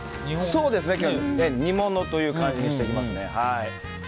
今日は煮物という感じにしていきますね。